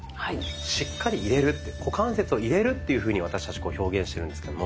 「股関節を入れる」っていうふうに私たち表現してるんですけども。